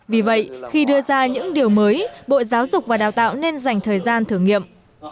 vì vậy khi đưa ra những điều mới bộ giáo dục và đào tạo nên dành thời gian thử nghiệm